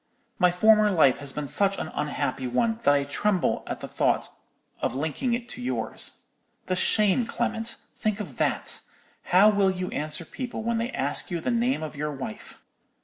'My former life has been such an unhappy one, that I tremble at the thought of linking it to yours. The shame, Clement—think of that. How will you answer people when they ask you the name of your wife?'